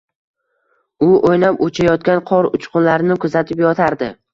U o‘ynab uchayotgan qor uchqunlarini kuzatib yotardi.